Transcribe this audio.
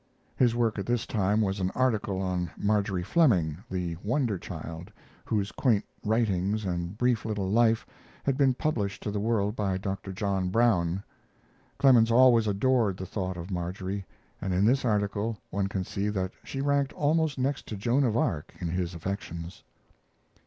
[His work at this time was an article on Marjorie Fleming, the "wonder child," whose quaint writings and brief little life had been published to the world by Dr. John Brown. Clemens always adored the thought of Marjorie, and in this article one can see that she ranked almost next to Joan of Arc in his affections.